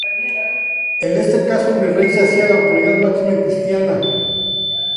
En este caso, el virrey se hacía la autoridad máxima en Christiania.